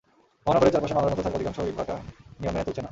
মহানগরের চারপাশে মালার মতো থাকা অধিকাংশ ইটভাটা নিয়ম মেনে চলছে না।